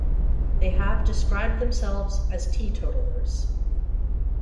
They have described themselves as teetotalers.